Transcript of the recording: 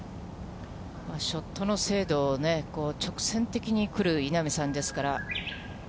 ショットの精度をね、直線的にくる稲見さんですから。